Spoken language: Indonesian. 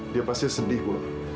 dia pasti sedih ibu